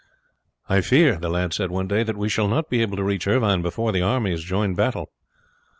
"I fear," the lad said one day, "that we shall not be able to reach Irvine before the armies join battle."